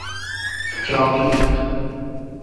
جابلیق